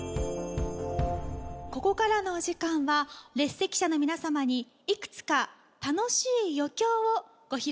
ここからのお時間は列席者の皆様にいくつか楽しい余興をご披露いただきたいと思います。